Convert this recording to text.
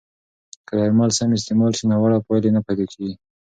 که درمل سم استعمال شي، ناوړه پایلې نه پیدا کېږي.